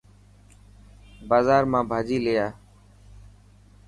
بازار مان ڀاچي لي آءِ.